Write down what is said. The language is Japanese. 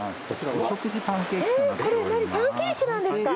パンケーキなんですか？